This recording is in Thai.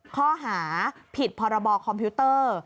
ข้อหาผิดพรบคอมพิวเตอร์